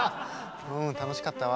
うん楽しかったわ。